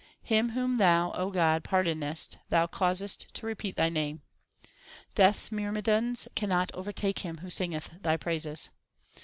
Him whom Thou, God, pardonest Thou causest to repeat Thy name. Death s myrmidons cannot overtake him who singeth Thy praises.